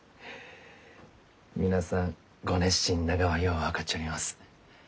皆さんご熱心ながはよう分かっちょります。